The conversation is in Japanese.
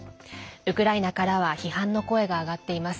ウクライナからは批判の声が上がっています。